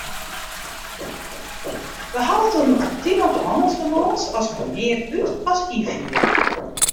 Wy hawwe it oer in aktive hannelsbalâns as wy mear út- as ynfiere.